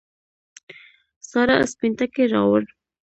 سارا سپين ټکی راووړ.